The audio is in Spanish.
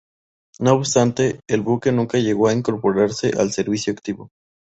No obstante, el buque nunca llegó a incorporarse al servicio activo.